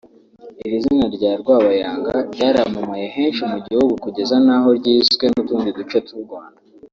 Iri zina rya Rwabayanga ryaramamaye henshi mu gihugu kugeza n’aho ryiswe n’utundi duce tw’u Rwanda